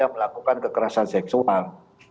melakukan kekerasan seksual